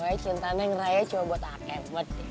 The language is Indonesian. pokoknya cintanya ngerayanya cuma buat anak kemot